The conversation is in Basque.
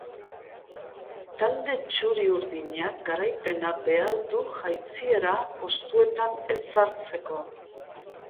Talde txuri-urdinak garaipena behar du jaitsiera postuetan ez sartzeko.